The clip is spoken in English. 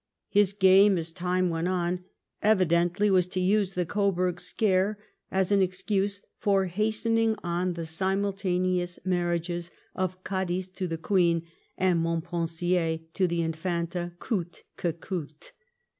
His. game, as time went on, evidently was to use the Coburg scare as an excuse for hastening on the simultaneous marriages of Cadiz to the Queen, and Montpensier to the Infanta coiite que coute.